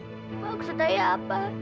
maksud ayah apa